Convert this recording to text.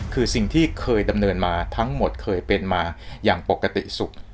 คือสิ่งที่เคยดำเนินมาทั้งหมดเคยเป็นมาอย่างปกติสุข